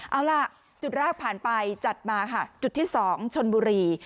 เอาล่ะจุดแรกผ่านไปจัดมาค่ะจุดที่๒ชนบุรี